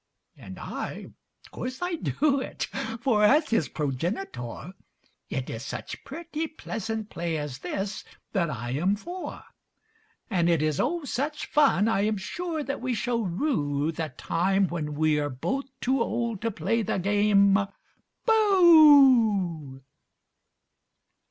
And I of course I do it; for, as his progenitor, It is such pretty, pleasant play as this that I am for! And it is, oh, such fun I am sure that we shall rue The time when we are both too old to play the game "Booh!"